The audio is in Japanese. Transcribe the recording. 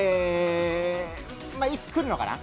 いつ来るのかな？